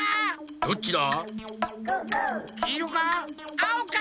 どっちだ？